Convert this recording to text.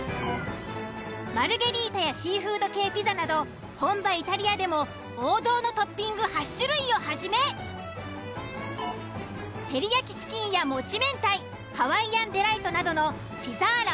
マルゲリ―タやシ―フ―ド系ピザなど本場イタリアでも王道のトッピング８種類をはじめテリヤキチキンやもち明太ハワイアンデライトなどの「ピザーラ」